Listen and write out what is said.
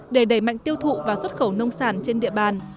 để đẩy mạnh tiêu thụ và xuất khẩu nông sản trên địa bàn